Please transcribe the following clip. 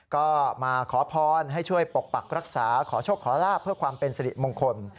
ก็มาขอพรให้ช่วยปกปักรักษาขอโชคขอลาบเพื่อความเป็นสิริมงคล